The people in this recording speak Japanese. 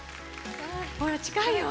ほら、近いよ。